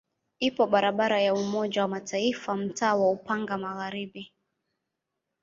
Ipo barabara ya Umoja wa Mataifa mtaa wa Upanga Magharibi.